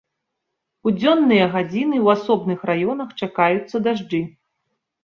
У дзённыя гадзіны ў асобных раёнах чакаюцца дажджы.